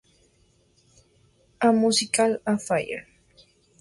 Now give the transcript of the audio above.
A Musical Affair.